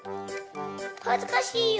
はずかしいよ！